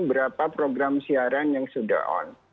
berapa program siaran yang sudah on